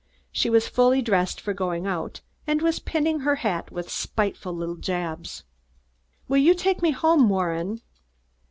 She was fully dressed for going out and was pinning on her hat with spiteful little jabs. "Will you take me home, Warren?"